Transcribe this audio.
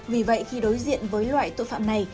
vì vậy khi đối diện với loại tội phạm này